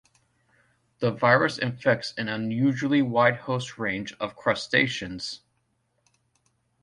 The virus infects an unusually wide host range of crustaceans.